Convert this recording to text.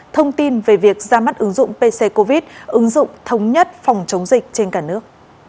thông tin về việc ra mắt ứng dụng pc covid ứng dụng thống nhất phòng chống dịch trên cả nước